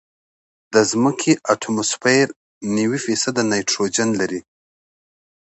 د ځمکې اتموسفیر نوي فیصده نایټروجن لري.